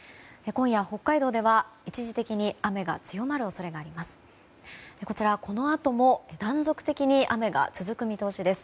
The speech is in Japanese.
今夜、北海道では一時的に雨が強まる恐れがあります。